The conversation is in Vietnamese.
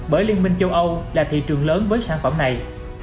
bởi liên minh châu âu là thị trường lớn với sản phẩm này